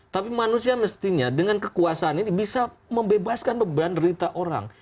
tapi manusia mestinya dengan kekuasaan ini bisa membebaskan beban derita orang